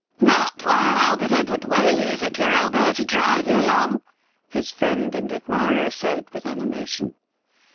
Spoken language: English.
' Not while Albert Edward Waley is at your elbow to drive you along,' his friend and admirer said with animation.